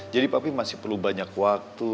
jadi papi masih perlu banyak waktu